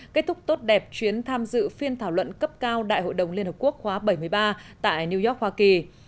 kết thúc tốt đẹp chuyến tham dự phiên thảo luận cấp cao đại hội đồng liên hợp quốc khóa bảy mươi ba tại new york hoa kỳ